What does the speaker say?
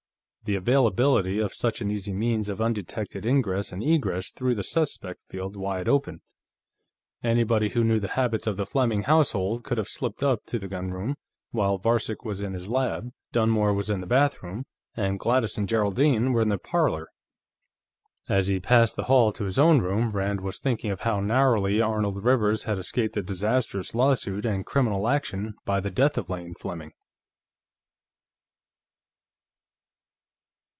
The availability of such an easy means of undetected ingress and egress threw the suspect field wide open. Anybody who knew the habits of the Fleming household could have slipped up to the gunroom, while Varcek was in his lab, Dunmore was in the bathroom, and Gladys and Geraldine were in the parlor. As he crossed the hall to his own room, Rand was thinking of how narrowly Arnold Rivers had escaped a disastrous lawsuit and criminal action by the death of Lane Fleming.